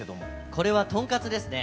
これはとんかつですね。